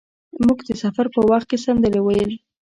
موږ د سفر په وخت کې سندرې ویل.